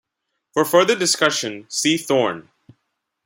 For further discussion, see thorn.